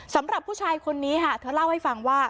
สำหรับผู้ชายคนนี้ค่ะเธอเล่าให้ฟังว่า